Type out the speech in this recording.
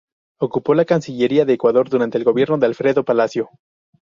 Ocupó la cancillería de Ecuador durante el gobierno de Alfredo Palacio.